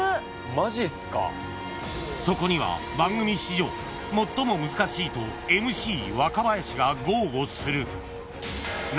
［そこには番組史上最も難しいとＭＣ若林が豪語する］